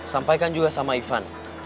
sampaikan juga sama ivan